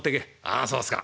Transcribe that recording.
「あそうっすか。